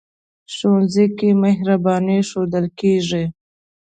ښوونځی کې مهرباني ښودل کېږي